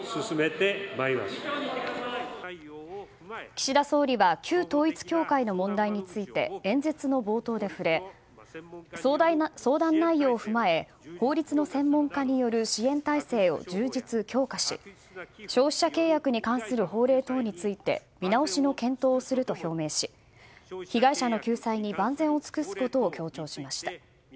岸田総理は旧統一教会の問題について演説の冒頭で触れ相談内容を踏まえ法律の専門家による支援体制を充実・強化し消費者契約に関する法令等について見直しの検討をすると表明し被害者の救済に万全を尽くすことを強調しました。